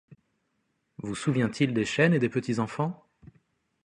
Vous souvient-il des chênes Et des petits enfants?